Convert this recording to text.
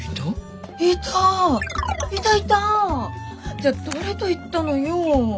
じゃあ誰と行ったのよ。